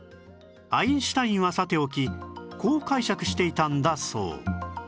アインシュタインはさておきこう解釈していたんだそう